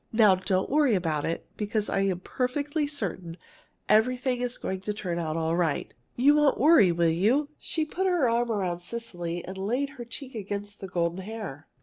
Now don't worry about it, because I'm perfectly certain everything is going to turn out all right. You won't worry, will you?" She put her arm around Cecily and laid her cheek against the golden hair.